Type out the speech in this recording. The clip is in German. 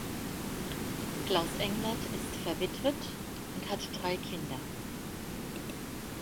Klaus Englert ist verwitwet und hat drei Kinder.